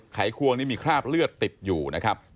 ไขควงนี่มีคราบเลือดติดอยู่นะครับ